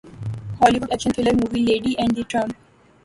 ہالی would live action thriller movie Lady and the Trump